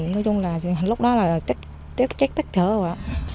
nói chung là lúc đó là chết chết chết thở rồi ạ